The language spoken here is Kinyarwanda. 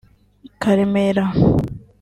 Karemera